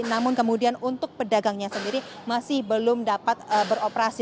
namun kemudian untuk pedagangnya sendiri masih belum dapat beroperasi